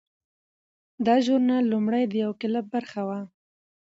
دا ژورنال لومړی د یو کلپ برخه وه.